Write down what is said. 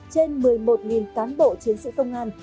trên một mươi một cán bộ chiến sĩ công an